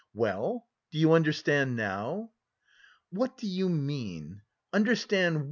Well, do you understand now?" "What do you mean? Understand...